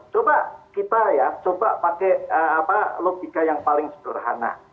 coba kita ya coba pakai logika yang paling sederhana